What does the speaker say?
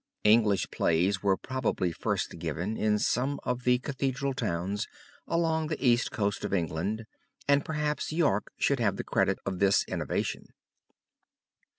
English plays were probably first given in some of the Cathedral towns along the east coast of England, and perhaps York should have the credit of this innovation.